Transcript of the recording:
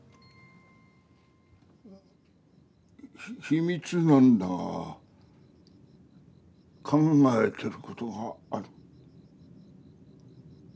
秘密なんだが考えてることがある。